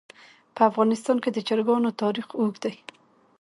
په افغانستان کې د چرګانو تاریخ اوږد دی.